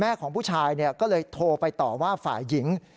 ของผู้ชายก็เลยโทรไปต่อว่าฝ่ายหญิง